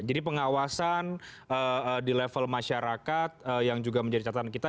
jadi pengawasan di level masyarakat yang juga menjadi catatan kita